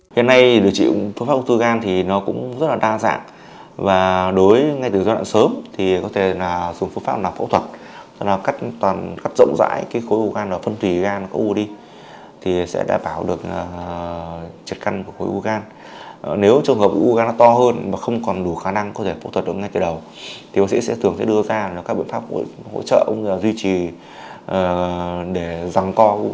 phương pháp điều trị ung thư gan là các bệnh pháp hỗ trợ duy trì để giằng co của ung thư gan trong thời gian